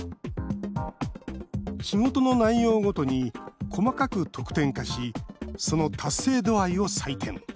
仕事の内容ごとに細かく得点化しその達成度合いを採点。